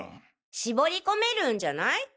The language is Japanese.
絞り込めるんじゃない？